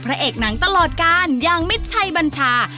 พระเอกหนังตลอดการยังมิชชัยบัญชา